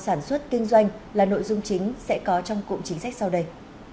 sản xuất kinh doanh là nội dung chính sẽ có trong cụm chính sách sau đây